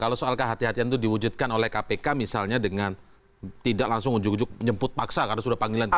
jadi soal kehatian itu diwujudkan oleh kpk misalnya dengan tidak langsung ujuk ujuk menjemput paksa karena sudah panggilan tiga